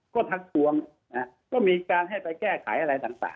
ก็ทักทวงก็มีการให้ไปแก้ไขอะไรต่าง